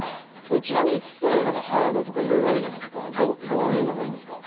ちなみにスプレーはハードとかいろいろあるじゃないですかどういうのがいいんですか？